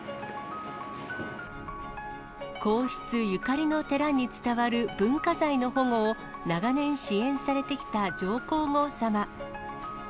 皇室ゆかりの寺に伝わる文化財の保護を長年支援されてきた上皇后さま。